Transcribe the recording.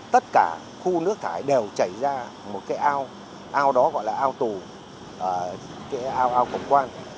tất cả khu nước thải đều chảy ra một cái ao ao đó gọi là ao tù ao cổng quan